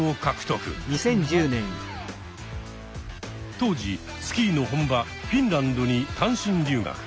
当時スキーの本場フィンランドに単身留学。